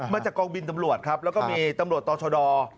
มาจากกองบินตำรวจครับแล้วก็มีตำรวจต่อชะดอ